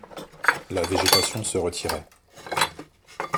La végétation se retirait.